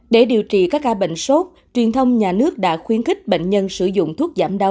để điều trị các ca bệnh sốt truyền thông nhà nước đã khuyến khích bệnh nhân sử dụng thuốc giảm đau